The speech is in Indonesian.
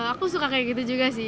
aku suka kayak gitu juga sih